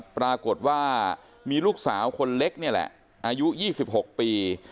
ปรากฏว่ามีลูกสาวคนเล็กนี่แหละอายุ๒๖ปี